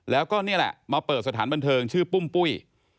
แล้วก็นี่แหละมาเปิดสถานบันเทิงชื่อปุ้มปุ้ย